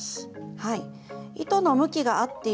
はい。